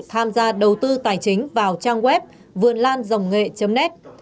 tham gia đầu tư tài chính vào trang web vườnlan ngh net